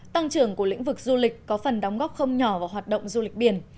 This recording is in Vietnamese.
tăng trưởng của lĩnh vực du lịch có phần đóng góp không nhỏ vào hoạt động du lịch biển